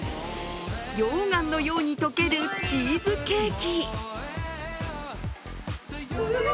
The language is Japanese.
溶岩のように溶けるチーズケーキ。